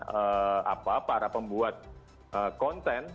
menyalahkan para pembuat konten